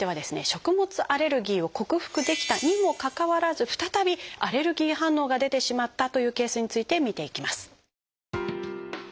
食物アレルギーを克服できたにもかかわらず再びアレルギー反応が出てしまったというケースについて見ていきます。